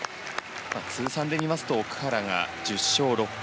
通算で見ますと奥原が１０勝６敗。